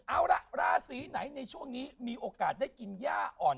เอาล่ะราศีไหนในช่วงนี้มีโอกาสได้กินย่าอ่อน